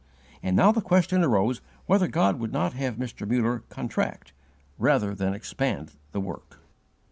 And now the question arose whether God would not have Mr. Muller contract rather than expand the work.